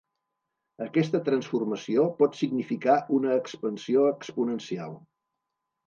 Aquesta transformació pot significar una expansió exponencial.